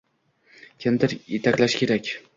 Kimdir etaklashi kerak